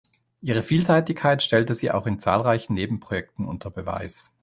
Ihre Vielseitigkeit stellte sie auch in zahlreichen Nebenprojekten unter Beweis.